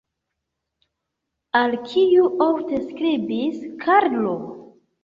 Al kiu ofte skribis Karlo?